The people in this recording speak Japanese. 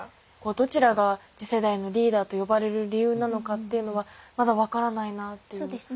どちらが次世代のリーダーと呼ばれる理由なのかっていうのはまだ分からないなって思います。